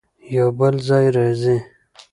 يو بل ځای راځي